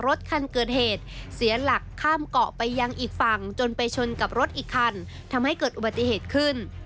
รถคันเกิดเหตุเสียหลักข้ามเกาะไปยังอีกฝั่งจนไปชนกับรถอีกคันทำให้เกิดอุบัติเหตุขึ้น